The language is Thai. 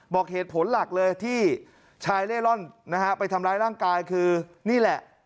บอกเหตุผลหลักเลยที่ชายเล่ร่อนนะฮะไปทำร้ายร่างกายคือนี่แหละ